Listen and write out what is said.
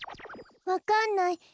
わかんない。